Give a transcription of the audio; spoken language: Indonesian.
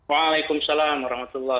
waalaikumsalam warahmatullahi wabarakatuh